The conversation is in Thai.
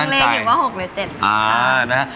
ลังเลอยู่ว่า๖หรือ๗